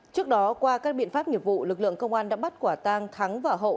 trước đó qua các biện pháp nghiệp vụ lực lượng công an đã bắt quả tang thắng và hậu